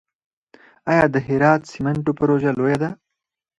آیا د هرات د سمنټو پروژه لویه ده؟